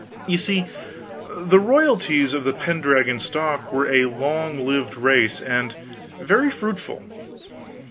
You see, the royalties of the Pendragon stock were a long lived race and very fruitful.